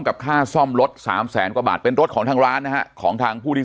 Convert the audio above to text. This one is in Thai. กับค่าซ่อมรถสามแสนกว่าบาทเป็นรถของทางร้านนะฮะของทางผู้ที่